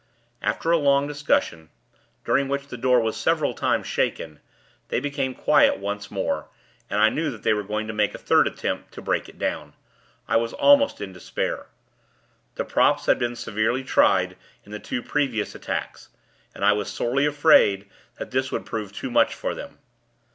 After a long discussion, during which the door was several times shaken, they became quiet once more, and I knew that they were going to make a third attempt to break it down. I was almost in despair. The props had been severely tried in the two previous attacks, and I was sorely afraid that this would prove too much for them.